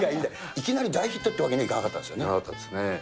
いきなり大ヒットというわけにはいかなかったんですね。